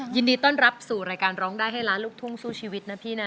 ยินดีต้อนรับสู่รายการร้องได้ให้ล้านลูกทุ่งสู้ชีวิตนะพี่นะ